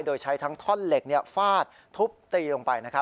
โดยใช้ทั้งท่อนเหล็กฟาดทุบตีลงไป